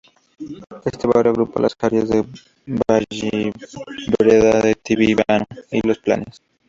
Este barrio agrupa las áreas de Vallvidrera, el Tibidabo y les Planes.